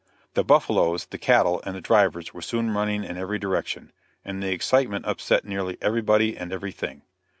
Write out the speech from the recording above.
The buffaloes, the cattle, and the drivers, were soon running in every direction, and the excitement upset nearly everybody and everything.